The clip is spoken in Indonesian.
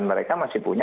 mereka masih punya